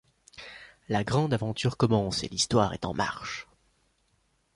La grande aventure commence et l'Histoire est en marche.